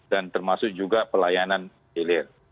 dan termasuk juga pelayanan hilir